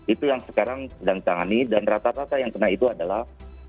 itu yang sekarang sedang ditangani dan rata rata yang kena itu adalah